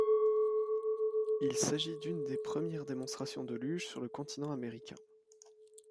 Il s'agit d'une des premières démonstrations de luge sur le continent américain.